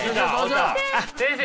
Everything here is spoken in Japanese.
先生！